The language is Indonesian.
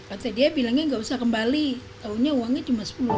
atau dia bilangnya nggak usah kembali taunya uangnya cuma sepuluh